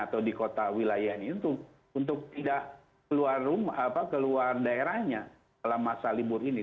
atau di kota wilayah ini untuk tidak keluar daerahnya dalam masa libur ini